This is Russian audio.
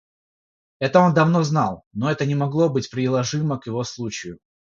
Это он давно знал, но это не могло быть приложимо к его случаю.